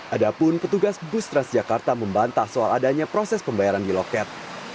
adapun petugas bus transjakarta membantah soal adanya proses pembayaran di loket